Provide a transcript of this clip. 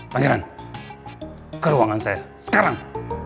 pangeran ke ruangan saya sekarang